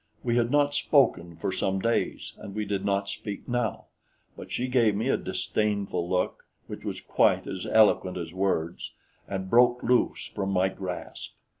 We had not spoken for some days, and we did not speak now; but she gave me a disdainful look, which was quite as eloquent as words, and broke loose from my grasp.